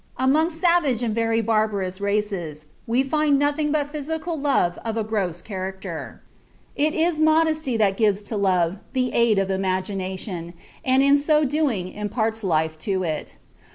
Among savage and very barbarous races we find nothing but physical love of a gross character. It is modesty that gives to love the aid of imagination, and in so doing imparts life to it.